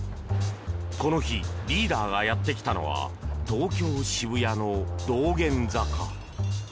この日リーダーがやってきたのは東京・渋谷の道玄坂。